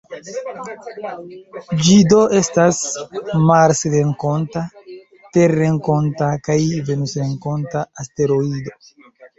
Ĝi do estas marsrenkonta, terrenkonta kaj venusrenkonta asteroido.